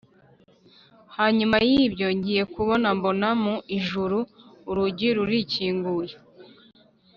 Hanyuma y’ibyo ngiye kubona mbona mu ijuru urugi rukinguye